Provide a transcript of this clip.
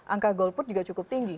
angka golput juga cukup tinggi